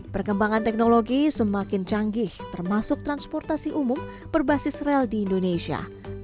perkembangan teknologi semakin canggih termasuk transportasi umum berbasis rel di indonesia